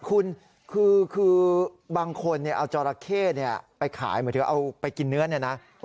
คุณคือบางคนเนี่ยเอาจอราเค้เนี่ยไปขายเอาไปกินเนื้อเนี่ยนะ